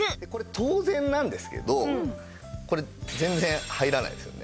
当然なんですけどこれ全然入らないですよね。